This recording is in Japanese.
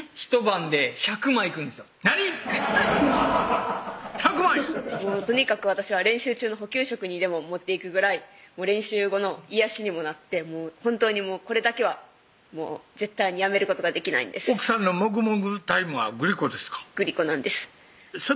なに⁉１００枚⁉とにかく私は練習中の補給食にでも持っていくぐらい練習後の癒やしにもなって本当にこれだけはもう絶対にやめることができないんです奥さんのもぐもぐタイムはグリコですかグリコなんですそれ